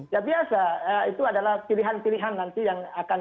ya biasa itu adalah pilihan pilihan nanti yang akan